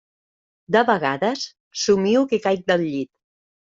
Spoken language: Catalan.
De vegades somio que caic del llit.